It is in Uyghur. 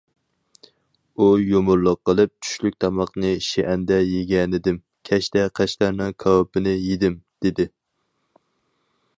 ئۇ يۇمۇرلۇق قىلىپ: چۈشلۈك تاماقنى شىئەندە يېگەنىدىم، كەچتە قەشقەرنىڭ كاۋىپىنى يېدىم، دېدى.